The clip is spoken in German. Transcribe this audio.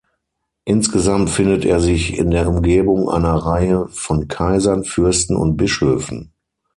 Insgesamt findet er sich in der Umgebung einer Reihe von Kaisern, Fürsten und Bischöfen.